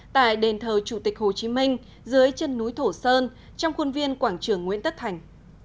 tại đền thờ chủ tịch hồ chí minh dưới chân núi thổ sơn trong khuôn viên quảng trường nguyễn tất thành